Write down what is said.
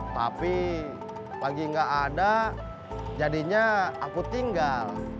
tapi lagi nggak ada jadinya aku tinggal